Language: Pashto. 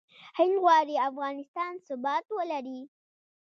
هند غواړي افغانستان ثبات ولري.